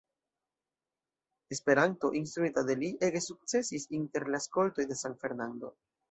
Esperanto, instruita de li, ege sukcesis inter la skoltoj de San Fernando.